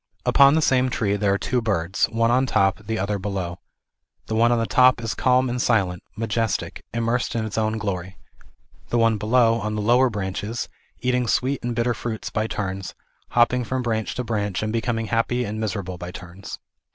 Upon the same tree there are two birds, one on top, the other below. The one on the top is calm and silent, majestic, immersed in its own glory ; the one below, on the lower branches, eating sweet and bitter fruits by turns, hopping from branch to branch and becoming happy and 324 THE IDEAL OF A UNIVERSAL RELIGION. miserable by turns.